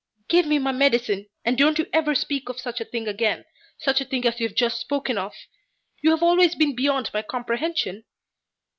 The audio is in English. "Give me my medicine, and don't ever speak of such a thing again such a thing as you have just spoken of! You have always been beyond my comprehension."